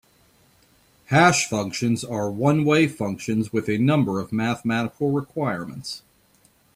Hash functions are one-way functions with a number of mathematical requirements.